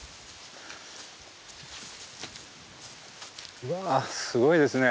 うわぁすごいですね。